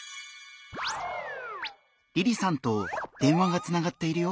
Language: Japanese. りりさんと電話がつながっているよ！